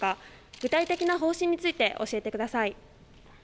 具体的な方針について教えてください。